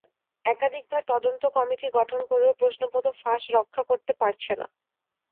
একাধিকবার তদন্ত কমিটি গঠন করেও প্রশ্নপত্র ফাঁস রক্ষা করতে পারছে না।